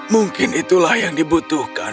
mungkin itulah yang dibutuhkan